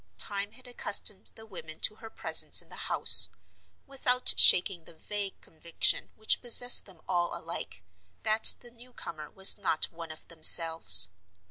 Time had accustomed the women to her presence in the house, without shaking the vague conviction which possessed them all alike, that the newcomer was not one of themselves.